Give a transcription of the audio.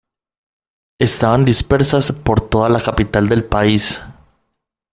Estaban dispersas por toda la capital del país.